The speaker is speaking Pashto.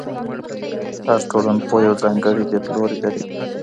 هر ټولنپوه یو ځانګړی لیدلوری لري.